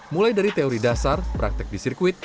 mulai dari teori dasar praktek di sirkuit